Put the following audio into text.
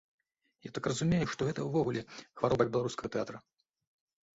Я так разумею, што гэта ўвогуле хвароба беларускага тэатра?